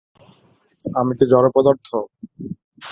আমি কি জড়পদার্থ।